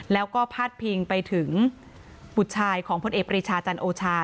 แล้วก็พาดพิงไปถึงบุตรชายของพลเอกปรีชาจันโอชา